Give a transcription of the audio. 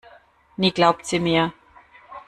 Nie glaubt sie mir.